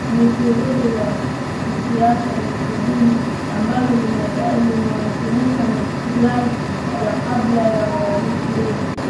ni kundi la kisiasa na kidini ambalo linadai linawakilisha maslahi ya kabila la walendu